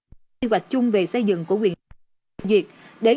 xây dựng quy hoạch chung về xây dựng của quyển long thành